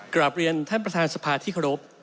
กลับเรียนท่านประธานสภาที่เคารพ